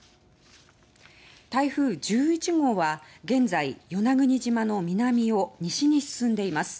台風１１号は現在与那国島の南を西に進んでいます。